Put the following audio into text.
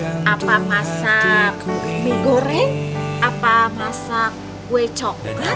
atau masak kue coklat ya